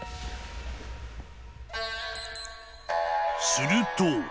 ［すると］